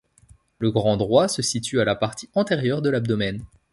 Le grand droit se situe à la partie antérieure de l’abdomen.